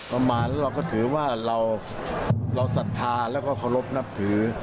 เรามาแล้วเราก็ถือว่าเราสัตว์ท้าแล้วก็ขอรบนับถือ